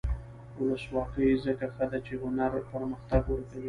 ولسواکي ځکه ښه ده چې هنر پرمختګ ورکوي.